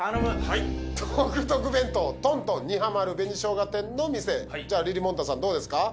はい「とくとく弁当」「トントン」「ニハマル」「紅しょうが天の店」じゃリリもんたさんどうですか？